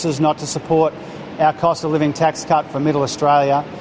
penutupan uang kursi hidup kita untuk central australia